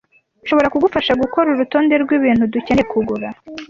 Nshobora kugufasha gukora urutonde rwibintu dukeneye kugura.